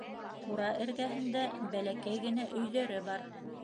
Ҡура эргәһендә бәләкәй генә өйҙәре бар.